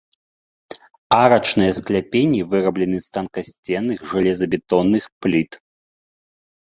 Арачныя скляпенні выраблены з танкасценных жалезабетонных пліт.